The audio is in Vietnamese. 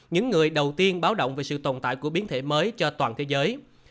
những người đầu tiên báo động về sự tồn tại của biến thể mới cho toàn thế giới